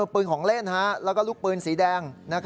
ปืนของเล่นแล้วก็ลูกปืนสีแดง